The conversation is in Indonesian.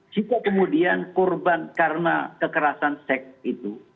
jika kemudian korban karena kekerasan seks itu